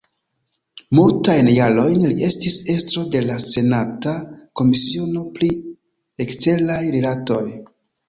Multajn jarojn li estis estro de la senata komisiono pri eksteraj rilatoj.